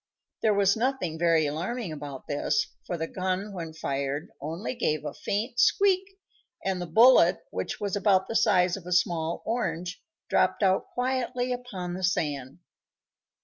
There was nothing very alarming about this, for the gun, when fired, only gave a faint squeak, and the bullet, which was about the size of a small orange, dropped out quietly upon the sand.